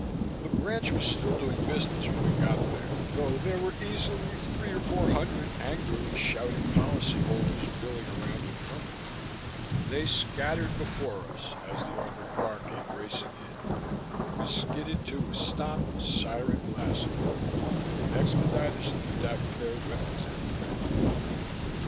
The branch was still doing business when we got there, though there were easily three or four hundred angrily shouting policyholders milling around in front of it. They scattered before us as the armored car came racing in; we skidded to a stop, siren blasting, and the expediters leaped out with their weapons at the ready.